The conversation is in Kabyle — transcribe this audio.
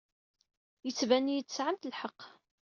Yettban-iyi-d tesɛamt lḥeqq.